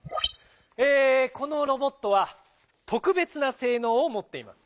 えこのロボットはとくべつなせいのうをもっています。